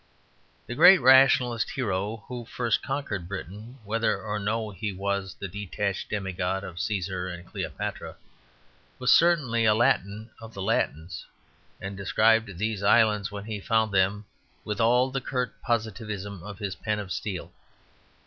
The great rationalist hero who first conquered Britain, whether or no he was the detached demigod of "Cæsar and Cleopatra," was certainly a Latin of the Latins, and described these islands when he found them with all the curt positivism of his pen of steel.